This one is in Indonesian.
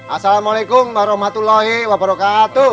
assalamualaikum warahmatullahi wabarakatuh